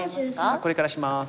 これからします！